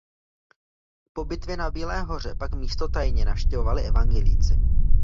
Po bitvě na Bílé hoře pak místo tajně navštěvovali evangelíci.